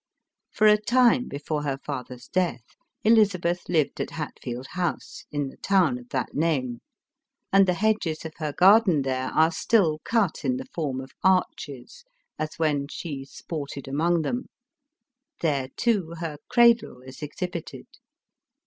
For a time before her father's death, Elizabeth lived at Ilatfield House, in the town of that name ; and tho hedges of her garden there are still cut in the form of arches, as when she sported among them ; there, too, her cradle is exhibited.